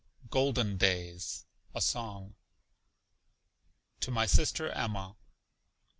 GOLDEN DAYS. SONG. (To my sister Emma.)